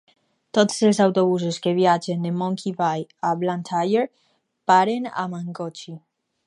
Tots els autobusos que viatgen de Monkey Bay a Blantyre paren a Mangochi.